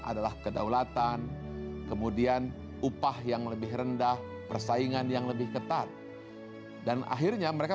adalah kedaulatan kemudian upah yang lebih rendah persaingan yang lebih ketat dan akhirnya mereka